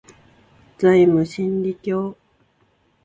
ザイム真理教